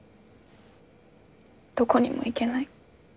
どこにも行けない。